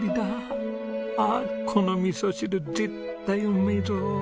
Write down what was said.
あっこの味噌汁絶対うめえぞ。